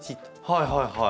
はいはいはい。